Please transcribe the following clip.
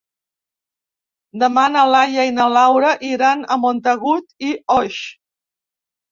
Demà na Laia i na Laura iran a Montagut i Oix.